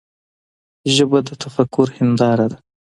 ژبه د تفکر هنداره ده.